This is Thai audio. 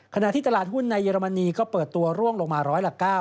ขณะที่ตลาดหุ้นในเยอรมนีก็เปิดตัวร่วงลงมาร้อยละ๙